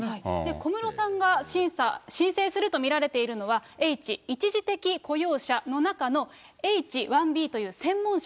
小室さんが申請すると見られているのは、Ｈ、一時的雇用者の中のＨー１Ｂという専門職。